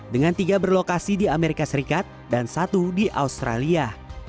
dengan tiga berlokasi di amerika serikat dan satu di australia